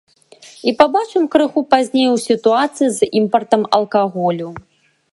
І пабачым крыху пазней у сітуацыі з імпартам алкаголю.